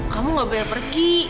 kamu enggak boleh pergi